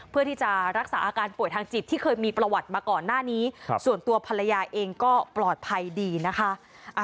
เพื่อที่จะรักษาอาการป่วยทางจิตที่เคยมีประวัติมาก่อนหน้านี้ส่วนตัวภรรยาเองก็ปลอดภัยดีนะคะ